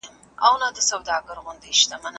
د قرآن کريم اياتونه د بشپړو حکمتونو لرونکي دي.